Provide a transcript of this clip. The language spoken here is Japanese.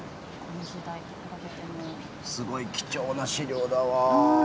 すごい貴重な資料だわ。